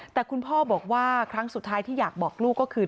แต่คุณพ่อบอกว่าครั้งสุดท้ายที่อยากบอกลูกก็คือ